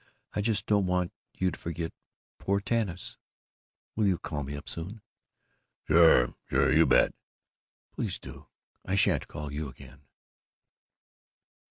I just don't want you to forget poor Tanis. Will you call me up soon?" "Sure! Sure! You bet!" "Please do. I sha'n't call you again."